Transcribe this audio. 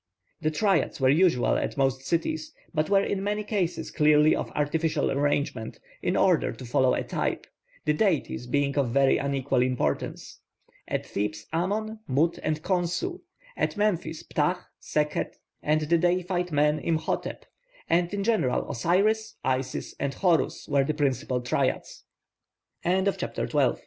The triads were usual at most cities, but were in many cases clearly of artificial arrangement, in order to follow a type, the deities being of very unequal importance. At Thebes, Amon, Mut, and Khonsu; at Memphis, Ptah, Sekhet, and the deified man Imhotep; and in general Osiris, Isis, and Horus, were the principal triads. CHAPTER